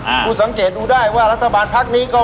คุณสังเกตดูได้ว่ารัฐบาลพักนี้ก็